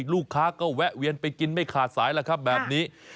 ลูกค้าก็แวะเวียนไปกินไม่ขาดสายแล้วครับแบบนี้